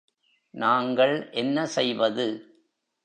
நாங்கள் என்ன செய்வது?